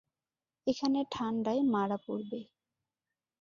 এখানে ঠান্ডায় মারা পড়বে।